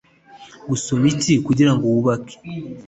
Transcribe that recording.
Gusoma Icyi kugirango wubake